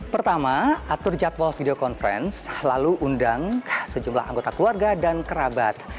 pertama atur jadwal video conference lalu undang sejumlah anggota keluarga dan kerabat